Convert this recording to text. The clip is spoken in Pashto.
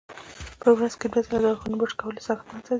په ورځ کې دوه ځله د غاښونو برش کول یې صحتمند ساتي.